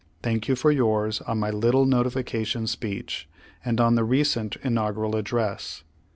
Thank you for yours on my little notification speech and on the recent inaugural address.